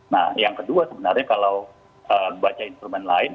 nah yang kedua sebenarnya kalau baca instrumen lain